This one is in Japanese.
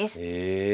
え。